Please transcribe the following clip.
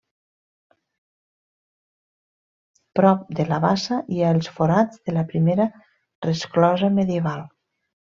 Prop de la bassa hi ha els forats de la primera resclosa medieval.